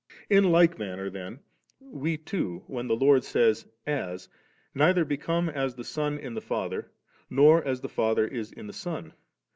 In like manner then we too, when the Lord says ' as,' neither become as the Son in the Father, nor as the Father is in tlie Son.